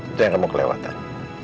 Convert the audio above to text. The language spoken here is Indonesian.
itu yang kamu kelewatan